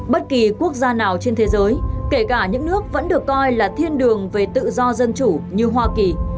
bất kỳ quốc gia nào trên thế giới kể cả những nước vẫn được coi là thiên đường về tự do dân chủ như hoa kỳ